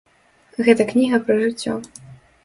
Гэта кніга пра жыццё.